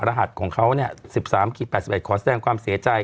รหัสของเขา๑๓๘๑ขอแสดงความเสียใจ